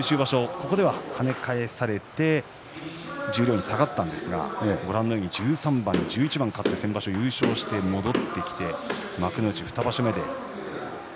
ここでは跳ね返されて十両に下がったんですが１３番、１１番勝って先場所優勝して戻ってきましたね。